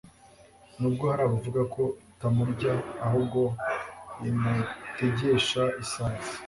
nubwo hari abavuga ko itamurya ahubwo imutegesha isazi.